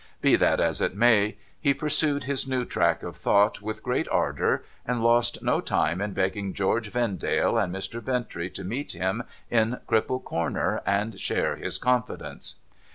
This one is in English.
Be that as it may, he pursued his new track of thought with great ardour, and lost no time in begging George Vendale and Mr. Bintrey to meet him in Cripple Corner and share his confidence.